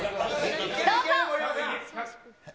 どうぞ。